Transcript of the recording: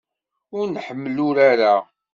Ur nḥemmel urar-a.